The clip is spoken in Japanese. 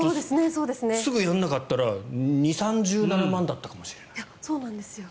すぐやらなかったら２０３０万だったかもしれない。